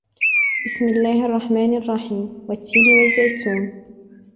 بسم الله الرحمن الرحيم والتين والزيتون